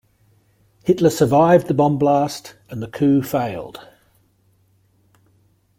Hitler survived the bomb blast and the coup failed.